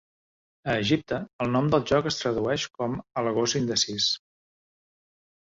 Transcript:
A Egipte, el nom del joc es tradueix com "El gos indecís".